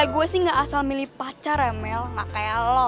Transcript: gue sih ga asal milih pacar ya mel makanya lo